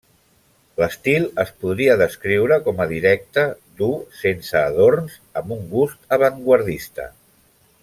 L'estil es podria descriure com a directe, dur, sense adorns, amb un gust avantguardista.